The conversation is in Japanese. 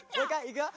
いくよ！